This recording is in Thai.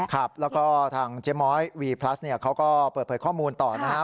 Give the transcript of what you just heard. ครับแล้วก็ทางเจ๊ม้อยวีพลัสเนี่ยเขาก็เปิดเผยข้อมูลต่อนะครับ